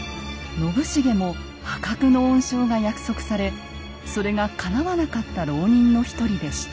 信繁も破格の恩賞が約束されそれがかなわなかった牢人の一人でした。